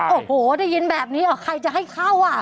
โอ้โหได้ยินแบบนี้เหรอใครจะให้เข้าอ่ะ